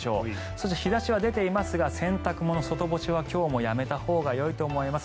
そして、日差しは出ていますが洗濯物、外干しは今日もやめたほうがよいと思います。